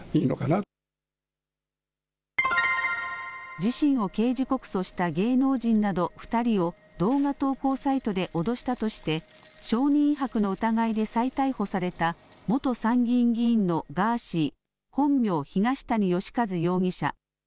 自身を刑事告訴した芸能人など２人を動画投稿サイトで脅したとして証人威迫の疑いで再逮捕された元参議院議員のガーシー、本名、東谷義和容疑者。